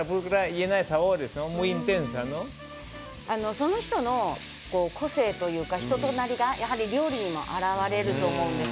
その人の個性というか人となりが、やはり料理にもあらわれると思います。